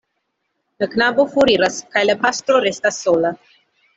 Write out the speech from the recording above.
La knabo foriras kaj la pastro restas sola.